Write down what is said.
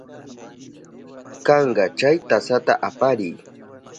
Kanka, chay tasata apiriy.